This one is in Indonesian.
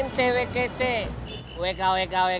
neng rika coba bawa cukup kemaren kemaren